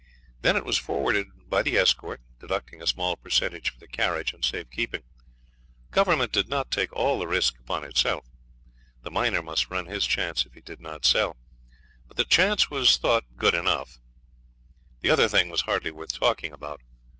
Then it was forwarded by the escort, deducting a small percentage for the carriage and safe keeping. Government did not take all the risk upon itself. The miner must run his chance if he did not sell. But the chance was thought good enough; the other thing was hardly worth talking about.